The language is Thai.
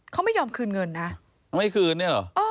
เขาไม่ยอมคืนเงินนะไม่คืนเนี่ยเหรอ